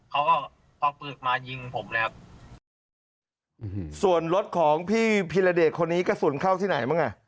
เขาก็เอาปืนมายิงผมเลยครับส่วนรถของพี่พีรเดชคนนี้กระสุนเข้าที่ไหนบ้างอ่ะ